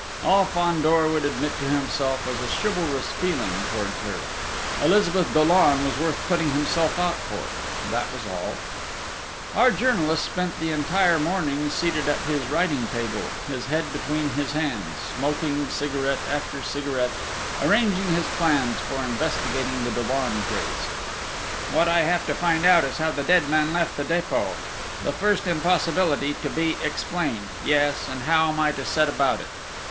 All Fandor would admit to himself was a chivalrous feeling towards her Elizabeth Dollon was worth putting himself out for that was all! Our journalist spent the entire morning seated at his writing table, his head between his hands, smoking cigarette after cigarette, arranging his plans for investigating the Dollon case: "What I have to find out is how the dead man left the Dépôt. It is the first discovery to be made, the first impossibility to be explained yes, and how am I to set about it?"